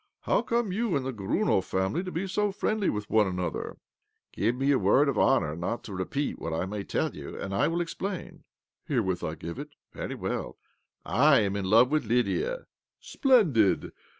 " How come you and the Gorunov family to be so friendly with one another ?"" Give me your word of honour not to repeat what I may tell you, and I will explain." " Herewith I give it." " Very well. I am in love with Lydia." " Splendid